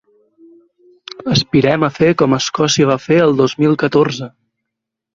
Aspirem a fer com Escòcia va fer el dos mil catorze.